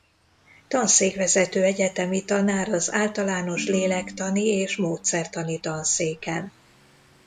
Tanszékvezető egyetemi tanár az Általános Lélektani és Módszertani Tanszéken.